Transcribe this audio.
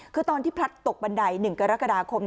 คือตอนที่พลัดตกบันได๑กรกฎาคม